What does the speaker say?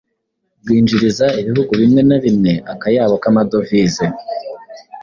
bwinjiriza ibihugu bimwe na bimwe akayabo k’amadovize.”